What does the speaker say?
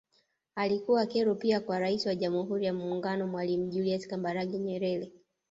Alikuwa kero pia kwa Rais wa Jamhuri ya Muungano Mwalimu Julius Kambarage Nyerere